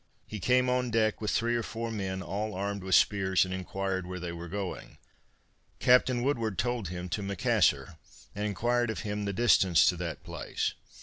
He came on deck with three or four men all armed with spears, and inquired where they were going. Captain Woodward told him to Macassar and inquired of him the distance to that place.